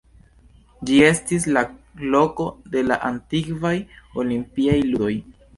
Ĝi estis la loko de la antikvaj olimpiaj ludoj.